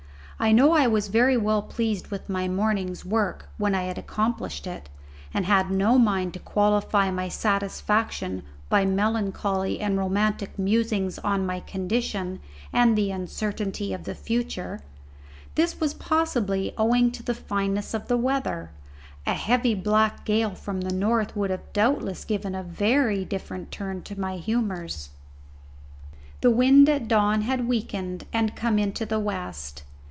I know I was very well pleased with my morning's work when I had accomplished it, and had no mind to qualify my satisfaction by melancholy and romantic musings on my condition and the uncertainty of the future. This was possibly owing to the fineness of the weather; a heavy black gale from the north would doubtless have given a very different turn to my humours. The wind at dawn had weakened and come into the west.